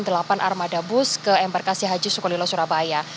delapan armada bus ke embarkasi haji sukolilo surabaya